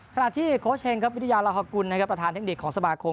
ขนาดที่โค้ชเฮงวิทยาลาฮกุลประธานเทคนิคของสมาคม